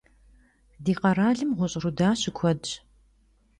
Di kheralım ğuş' ruda şıkuedş.